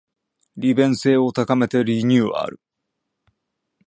利便性を高めてリニューアル